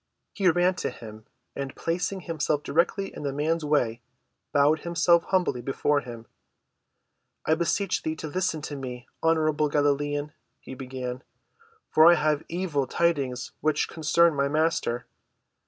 He ran to him and, placing himself directly in the man's way, bowed himself humbly before him. "I beseech thee to listen to me, honorable Galilean," he began, "for I have evil tidings which concern my Master."